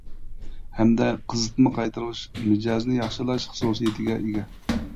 ھەمدە قىزىتما قايتۇرۇش، مىجەزنى ياخشىلاش خۇسۇسىيىتىگە ئىگە.